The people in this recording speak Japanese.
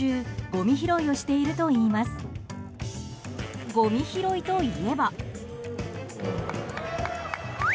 ごみ拾いといえば。